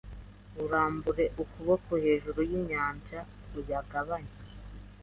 urambure ukuboko hejuru y’inyanja uyagabanye